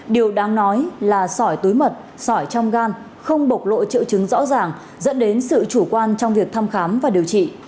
điều đáng nói là sỏi túi mật sỏi trong gan không bộc lộ triệu chứng rõ ràng dẫn đến sự chủ quan trong việc thăm khám và điều trị